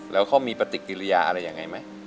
แล้วเขามีปฏิกิริยาอะไรยังไงไหม